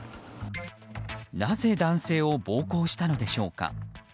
なぜ男性を暴行したのでしょうか。